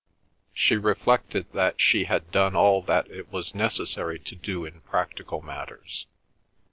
She reflected that she had done all that it was necessary to do in practical matters.